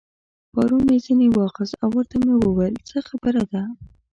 پارو مې ځینې واخیست او ورته مې وویل: څه خبره ده؟